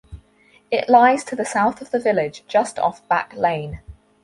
It lies to the south of the village just off Back Lane.